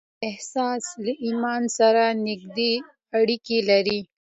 دا احساس له ايمان سره نږدې اړيکې لري.